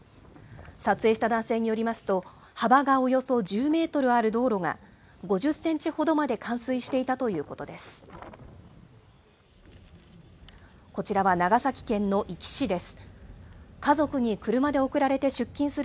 撮影した男性によりますと、幅がおよそ１０メートルある道路が５０センチほどまで冠水していたということです。